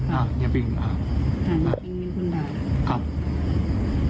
เฮียปิงอ่าเฮียปิง